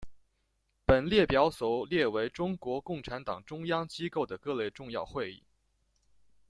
本列表所列为中国共产党中央机构的各类重要会议。